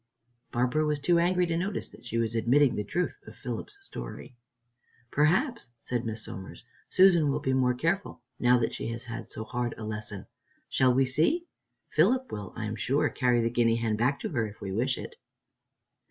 Barbara was too angry to notice that she was admitting the truth of Philip's story. "Perhaps," said Miss Somers, "Susan will be more careful now that she has had so hard a lesson. Shall we see? Philip will, I am sure, carry the guinea hen back to her, if we wish it."